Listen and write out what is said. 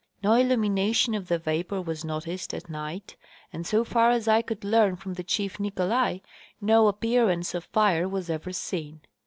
No illumination of the vapor was noticed at night and, so far as I could learn from the chief Mcolai, no appearance of fire was ever seen.